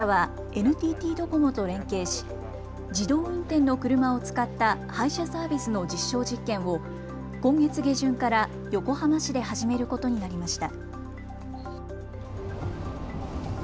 日産自動車はＮＴＴドコモと連携し自動運転の車を使った配車サービスの実証実験を今月下旬から横浜市で始めることになりました。